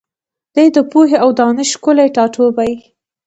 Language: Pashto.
دی د پوهي او دانش ښکلی ټاټوبی